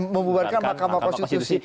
membubarkan mahkamah konstitusi